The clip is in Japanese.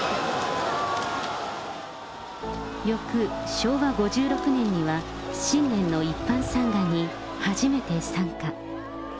よく昭和５６年には、新年の一般参賀に初めて参加。